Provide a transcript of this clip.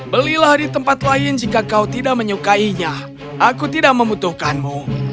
belilah di tempat lain jika kau tidak menyukainya aku tidak membutuhkanmu